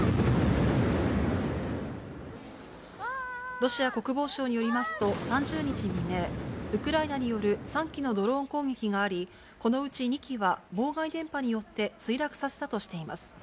ロシア国防省によりますと、３０日未明、ウクライナによる３機のドローン攻撃があり、このうち２機は妨害電波によって墜落させたとしています。